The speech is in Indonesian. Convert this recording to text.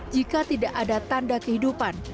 jika tidak ada tanda kehidupan